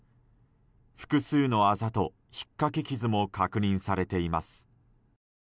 複数のあざと、ひっかき傷も確認されています。